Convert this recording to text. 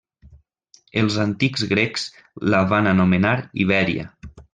Els antics grecs la van anomenar Ibèria.